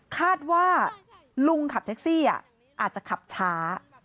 คาดว่าลุงขับแท็กซี่อาจจะขับช้า